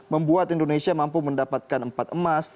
membuat indonesia mampu mendapatkan empat emas